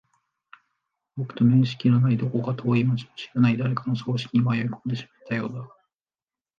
僕と面識のない、どこか遠い街の知らない誰かの葬式に迷い込んでしまったようだ。